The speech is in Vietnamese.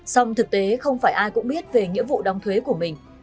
song thực tế không phải ai cũng biết về nghĩa vụ đóng thuế của mình